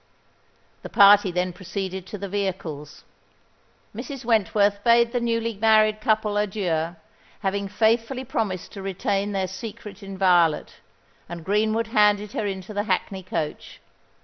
The party then proceeded to the vehicles. Mrs. Wentworth bade the newly married couple adieu, having faithfully promised to retain their secret inviolate; and Greenwood handed her into the hackney coach.